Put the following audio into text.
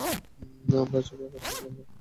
আমার ছবি আঁকার সরঞ্জাম লাগবে।